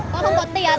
con không có tiền